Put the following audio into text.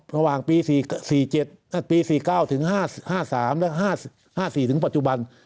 ระหว่างปี๔๙๕๓และ๕๔ถึงปัจจุบัน